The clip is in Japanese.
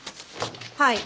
はい。